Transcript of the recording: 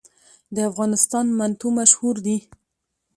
د افغانستان منتو مشهور دي